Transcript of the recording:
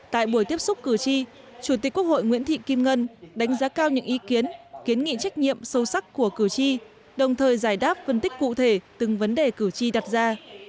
tại buổi tiếp xúc cử tri chủ tịch quốc hội nguyễn thị kim ngân đánh giá cao những ý kiến kiến nghị trách nhiệm sâu sắc của cử tri đồng thời giải đáp phân tích cụ thể từng vấn đề cử tri đặt ra